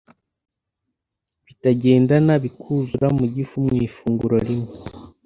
bitagendana bikuzura mu gifu mu ifunguro rimwe